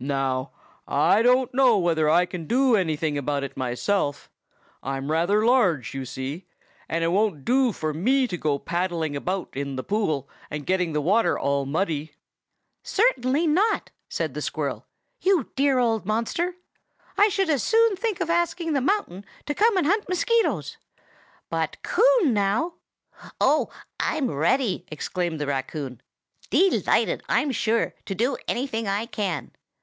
Now, I don't know whether I can do anything about it myself. I'm rather large, you see, and it won't do for me to go paddling about in the pool and getting the water all muddy." "Certainly not!" said the squirrel, "you dear old monster. I should as soon think of asking the mountain to come and hunt mosquitoes. But Coon, now—" "Oh, I'm ready!" exclaimed the raccoon. "Delighted, I'm sure, to do anything I can.